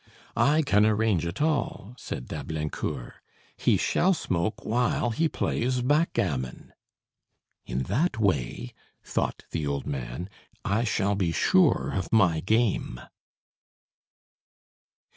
"I can arrange it all," said D'Ablaincourt; "he shall smoke while he plays backgammon." "In that way," thought the old man, "I shall be sure of my game."